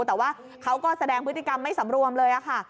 แต่ว่าเขาก็แสดงพฤติกรรมไม่สำรวมเลยค่ะ